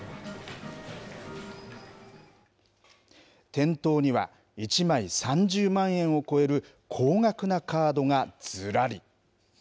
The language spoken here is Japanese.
店頭には、１枚３０万円を超える高額なカードがずらり。